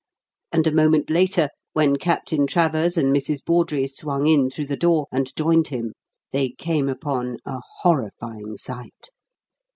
And a moment later, when Captain Travers and Mrs. Bawdrey swung in through the door and joined him, they came upon a horrifying sight.